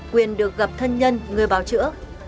quyền được gặp thân nhân người báo chữa